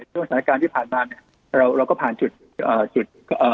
ช่วงสถานการณ์ที่ผ่านมาเนี่ยเราก็ผ่านจุด